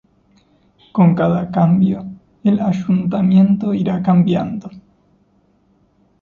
Con cada cambio, el ayuntamiento irá cambiando.